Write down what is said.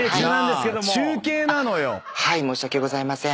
申し訳ございません。